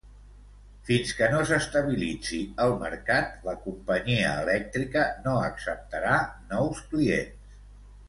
Fins que no s'estabilitzi el mercat, la companyia elèctrica no acceptarà nous clients.